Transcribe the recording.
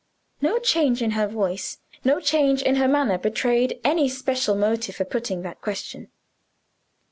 No change in her voice, no change in her manner, betrayed any special motive for putting this question.